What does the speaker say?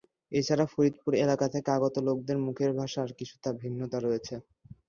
এছাড়া ফরিদপুর এলাকা থেকে আগত লোকদের মুখের ভাষার কিছুটা ভিন্নতা রয়েছে।